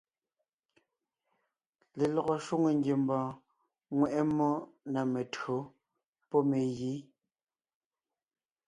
Lelɔgɔ shwòŋo ngiembɔɔn ŋweʼe mmó na mentÿǒ pɔ́ megǐ.